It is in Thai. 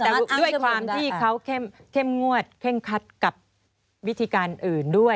แต่ด้วยความที่เขาเข้มงวดเข้มคัดกับวิธีการอื่นด้วย